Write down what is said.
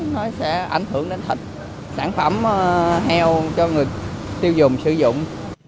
nó sẽ ảnh hưởng đến thịt sản phẩm heo cho người tiêu dùng sử dụng